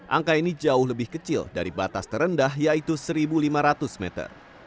angka ini jauh lebih kecil dari batas terendah yaitu satu lima ratus meter